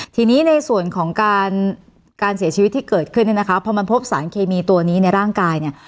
ทีนี้ในส่วนของการการเสียชีวิตที่เกิดขึ้นเนี่ยนะคะพอมันพบสารเคมีตัวนี้ในร่างกายเนี่ย